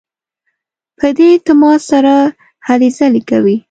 په دې اعتماد سره هلې ځلې کوي.